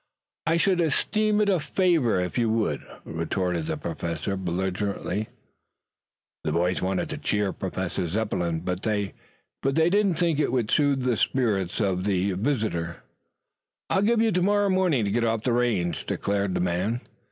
"I should esteem it a favor if you would," retorted the Professor belligerently. The boys wanted to cheer Professor Zepplin, but they did not think that would tend to soothe the spirits of their visitor. "I'll give ye till tomorrow morning to get off the range," declared the man.